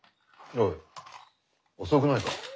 おい遅くないか？